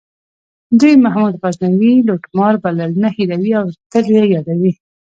دوی محمود غزنوي لوټمار بلل نه هیروي او تل یې یادوي.